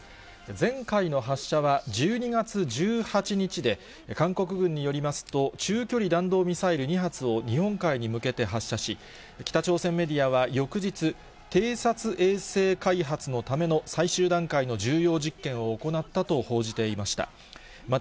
前回の発射は１２月１８日で、韓国軍によりますと、中距離弾道ミサイル２発を日本海に向けて発射し、北朝鮮メディアは翌日、偵察衛星開発のための最終段階の重要実験を行ったと報じていました。